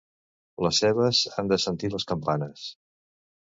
Les cebes han de sentir les campanes.